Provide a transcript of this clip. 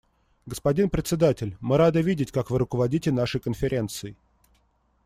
Господин Председатель, мы рады видеть, как вы руководите нашей Конференцией.